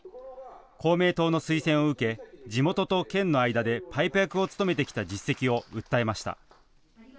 公明党の推薦を受け地元と県の間でパイプ役を務めてきた実績を訴えました。